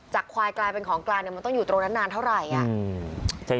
ควายกลายเป็นของกลางมันต้องอยู่ตรงนั้นนานเท่าไหร่